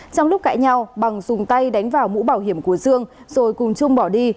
trong lúc cãi nhau bằng dùng tay đánh vào mũ bảo hiểm của dương rồi cùng chung bỏ đi